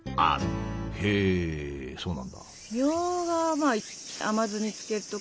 へえそうなんだ。